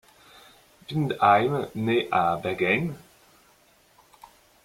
Vindheim naît à Bergen.